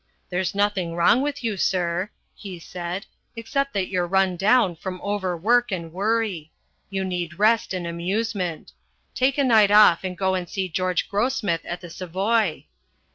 'There's nothing wrong with you, sir,' he said, 'except that you're run down from overwork and worry. You need rest and amusement. Take a night off and go and see George Grossmith at the Savoy.'